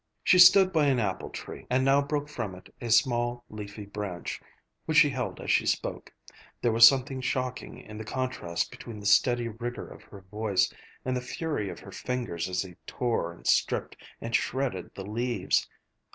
She stood by an apple tree and now broke from it a small, leafy branch, which she held as she spoke. There was something shocking in the contrast between the steady rigor of her voice and the fury of her fingers as they tore and stripped and shredded the leaves.